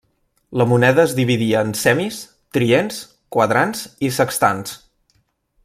La moneda es dividia en semis, trients, quadrants i sextants.